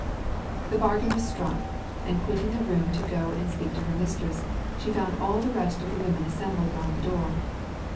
The bargain was struck; and quitting the room to go and speak to her mistress, she found all the rest of the women assembled round the door.